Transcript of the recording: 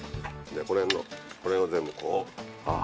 この辺を全部こう。